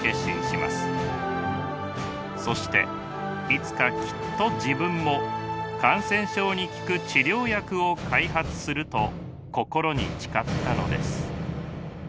そしていつかきっと自分も感染症に効く治療薬を開発すると心に誓ったのです。